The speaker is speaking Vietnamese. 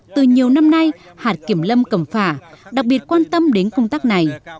từ nhiều năm nay hạt kiểm lâm cầm phả đặc biệt quan tâm đến công tác này